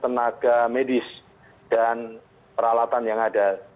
tenaga medis dan peralatan yang ada